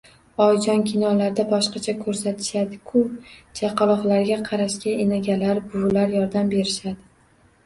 Oyijon, kinolarda boshqacha ko`rsatishadi-ku… Chaqaloqlarga qarashga enagalar, buvilar yordam berishadi